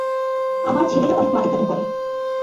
আমার ছেলের অনেক মাথা ব্যথা করে।